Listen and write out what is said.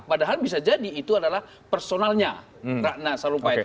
padahal bisa jadi itu adalah personalnya rana sarumpai